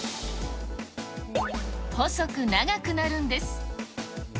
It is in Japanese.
細く長くなるんです。